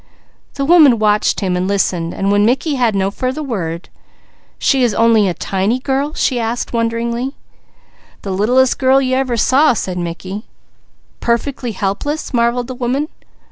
The woman watched him, listening, and when Mickey had no further word: "She is only a tiny girl?" she asked wonderingly. "The littlest girl you ever saw," said Mickey. "Perfectly helpless?" marvelled the woman.